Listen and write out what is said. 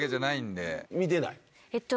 えっと。